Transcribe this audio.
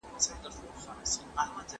که علمي پوښتنې وسي، فکر نه بندېږي.